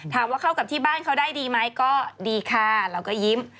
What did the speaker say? เข้ากับที่บ้านเขาได้ดีไหมก็ดีค่ะเราก็ยิ้ม